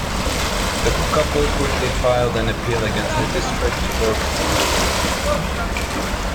The couple quickly filed an appeal against the district court ruling.